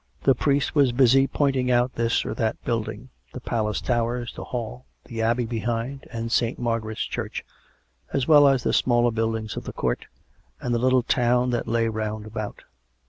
The priest was busy pointing out this or that building — the Palace towers, the Hall, the Abbey behind, and St. Margaret's Church, as well as the smaller buildings of the Court, and the little town that lay round about.